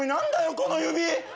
この指。